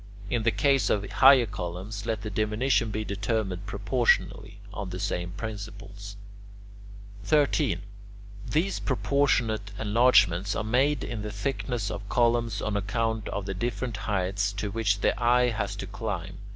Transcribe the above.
In the case of higher columns, let the diminution be determined proportionally, on the same principles. 13. These proportionate enlargements are made in the thickness of columns on account of the different heights to which the eye has to climb.